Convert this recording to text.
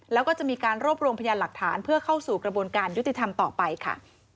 แล้วก็จะมีการรวบรวมพยานหลักฐานเพื่อเข้าสู่กระบวนการยุติธรรมต่อไปค่ะ